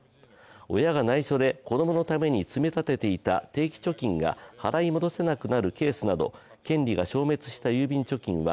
親がないしょで子供のために積み立てていた定期貯金が払い戻せなくなるケースなど、権利が消滅した郵便貯金は